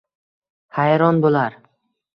Hayron bo’lar